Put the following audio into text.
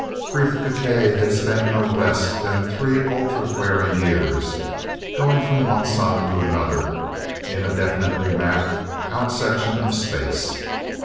Gresth Gkae had spent no less than three ultra wearing years going from one sun to another in a definitely mapped out section of space.